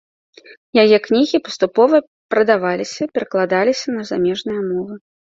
Яе кнігі паступова прадаваліся перакладаліся на замежныя мовы.